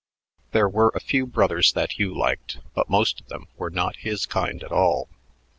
There were a few "brothers" that Hugh liked, but most of them were not his kind at all.